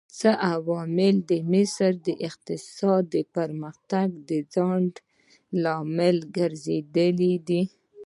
څه عوامل د مصر د اقتصادي پرمختګ خنډ ګرځېدلي دي؟